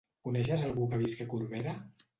Coneixes algú que visqui a Corbera?